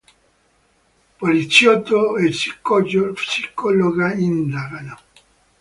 Poliziotto e psicologa indagano.